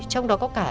trong đó có cả